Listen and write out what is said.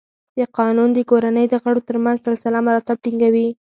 قانون د کورنۍ د غړو تر منځ سلسله مراتب ټینګوي.